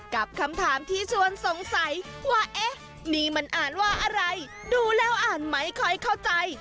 กับคำถามที่ชวนสงสัยว่าเอ๊ะนี่มันอ่านว่าอะไรดูแล้วอ่านไหมค่อยเข้าใจ